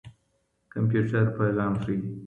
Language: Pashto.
کمپيوټر پېغام ښيي.